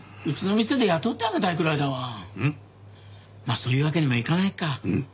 まあそういうわけにもいかないか。